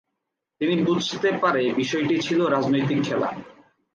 তিনি বুঝতে পারে বিষয়টি ছিল রাজনৈতিক খেলা।